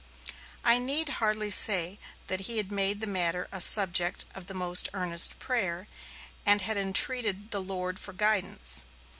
I need hardly say that he had made the matter a subject of the most earnest prayer, and had entreated the Lord for guidance.